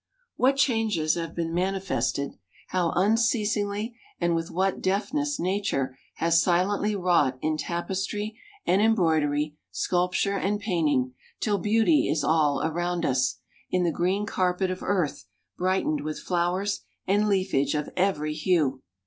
What changes have been manifested how unceasingly and with what deftness Nature has silently wrought in tapestry and embroidery, sculpture and painting, till beauty is all around us, in the green carpet of earth, brightened with flowers and leafage of every hue!